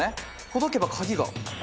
ほどけばカギが。